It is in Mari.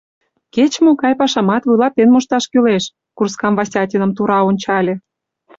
Кеч-могай пашамат вуйлатен мошташ кӱлеш, — курскам Васятиным тура ончале.